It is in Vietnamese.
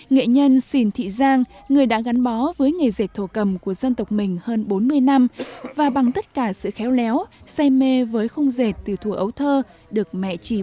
nghệ nhân xìn thị giang người đã gắn bó với nghề dệt thổ cầm của dân tộc mình hơn bốn mươi năm và bằng tất cả sự khéo léo say mê với khung dệt từ thủ ấu thơ được mẹ trì bào